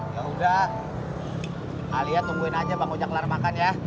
yaudah alia tungguin aja bang ojak lar makan ya